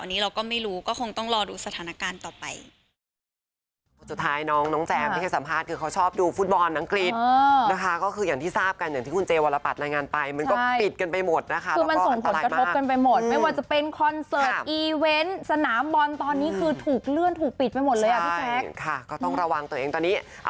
อันนี้เราก็ไม่รู้ก็คงต้องรอดูสถานการณ์ต่อไป